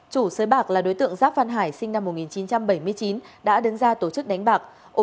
chủ sới bạc là đối tượng giáp văn hải sinh năm một nghìn chín trăm bảy mươi chín đã đứng ra tổ chức đánh bạc